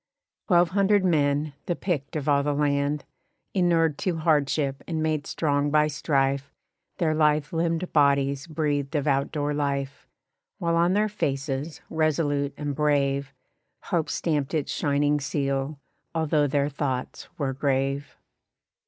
Twelve hundred men, the picked of all the land, Innured to hardship and made strong by strife Their lithe limbed bodies breathed of out door life; While on their faces, resolute and brave, Hope stamped its shining seal, although their thoughts were grave.